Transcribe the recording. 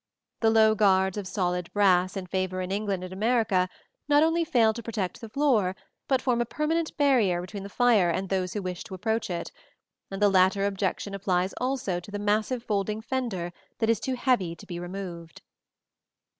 The low guards of solid brass in favor in England and America not only fail to protect the floor, but form a permanent barrier between the fire and those who wish to approach it; and the latter objection applies also to the massive folding fender that is too heavy to be removed.